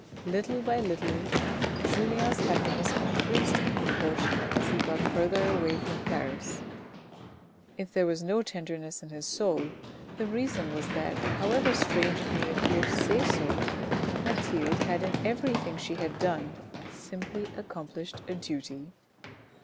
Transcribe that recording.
Little by little Julien's happiness increased in proportion as he got further away from Paris. If there was no tenderness in his soul, the reason was that, however strange it may appear to say so, Mathilde had in everything she had done, simply accomplished a duty.